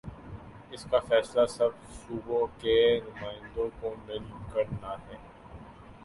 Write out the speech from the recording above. اس کا فیصلہ سب صوبوں کے نمائندوں کو مل کر نا ہے۔